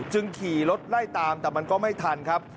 ขี่รถไล่ตามแต่มันก็ไม่ทันครับ